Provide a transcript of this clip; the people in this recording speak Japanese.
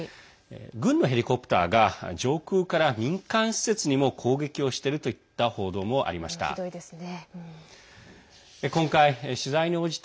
軍のヘリコプターが上空から民間施設にも攻撃をしているといった報道もありました。